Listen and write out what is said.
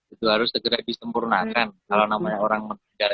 itu harus segera disempurnakan kalau namanya orang meninggal